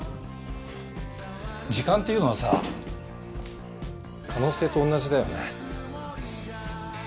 時間っていうのはさ可能性と同じだよね。